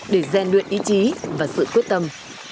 để gian luyện ý chí và sự quyết tâm